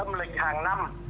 âm lịch hàng năm